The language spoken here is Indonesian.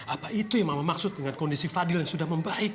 apa itu yang mama maksud dengan kondisi fadil yang sudah membaik